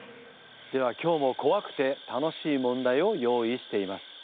では今日も怖くて楽しい問題を用意しています。